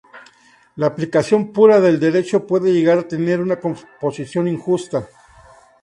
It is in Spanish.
La aplicación pura del derecho puede llegar a tener una composición injusta.